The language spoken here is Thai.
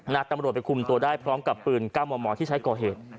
ตำรวจไปคุมตัวได้พร้อมกับปืน๙มมที่ใช้ก่อเหตุ